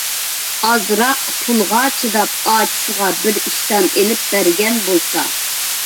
ئازراق پۇلغا چىداپ ئاچىسىغا بىر ئىشتان ئېلىپ بەرگەن بولسا.